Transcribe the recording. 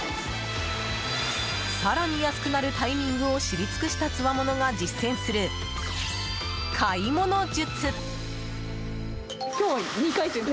更に安くなるタイミングを知り尽くしたつわものが実践する買い物術。